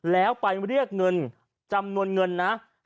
แล้วไปเรียกเงินจำนวนเงินนะ